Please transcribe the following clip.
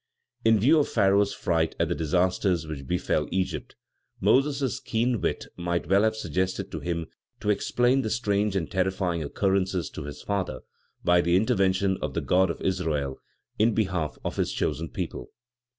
In view of Pharaoh's fright at the disasters which befell Egypt, Moses' keen wit might well have suggested to him to explain the strange and terrifying occurrences, to his father, by the intervention of the God of Israel in behalf of his chosen people.